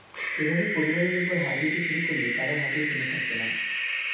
এভাবে পরিবারের ওপর হাত দিতে শুরু করলে কারও হাতই থেমে থাকবে না।